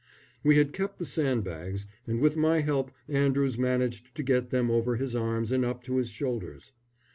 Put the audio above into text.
We had kept the sandbags, and with my help Andrews managed to get them over his arms and up to his shoulders.